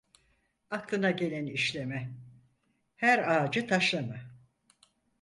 Aklına geleni işleme, her ağacı taşlama.